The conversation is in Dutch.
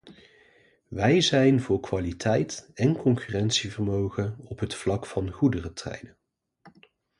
Wij zijn voor kwaliteit en concurrentievermogen op het vlak van goederentreinen.